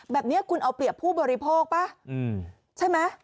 แบบนี้คุณเอาเปรียบผู้บริโภคป่ะใช่ไหม